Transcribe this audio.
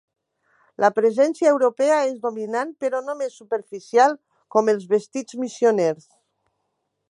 La presència europea és dominant però només superficial, com els vestits missioners.